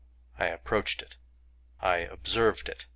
I approached it. I observed it.